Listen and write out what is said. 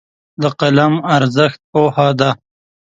د قلم ارزښت پوهه ده.